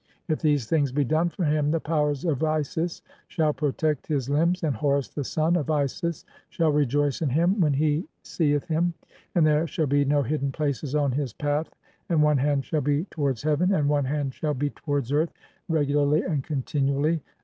IF THESE THINGS BE DONE FOR HIM THE POWERS OF ISIS {4) SHALL PROTECT HIS LIMBS, AND HORUS THE SON OF ISIS SHALL REJOICE IN HIM, WHEN HE SEETH HIM; AND THERE SHALL BE NO HIDDEN PLACES ON HIS PATH, AND ONE HAND SHALL BE TOWARDS HEAVEN, AND ONE HAND SHALL BE TOWARDS EARTH, REGULARLY AND CONTINUALLY.